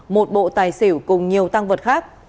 một bộ tài xỉu cùng nhiều tăng vật khác